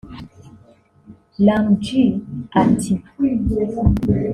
Lam G ati